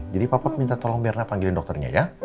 jadi papa minta tolong mirna panggilin dokternya ya